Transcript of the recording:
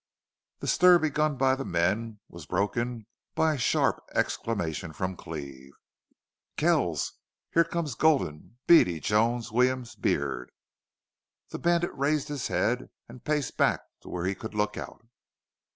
The stir begun by the men was broken by a sharp exclamation from Cleve. "Kells, here comes Gulden Beady Jones, Williams, Beard!" The bandit raised his head and paced back to where he could look out.